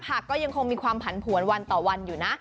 ก็ยังคงมีความผันผวนวันต่อวันอยู่นะ